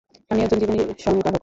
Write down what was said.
আমি একজন জীবনী সংগ্রাহক।